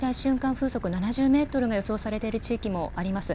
風速７０メートルが予想されている地域もあります。